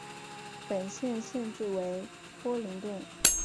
本县县治为托灵顿。